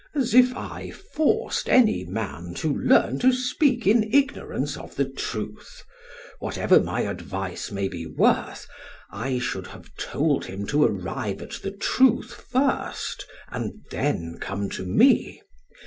As if I forced any man to learn to speak in ignorance of the truth! Whatever my advice may be worth, I should have told him to arrive at the truth first, and then come to me.